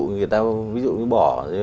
người ta ví dụ bỏ